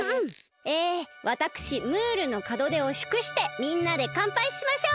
えわたくしムールのかどでをしゅくしてみんなでかんぱいしましょう！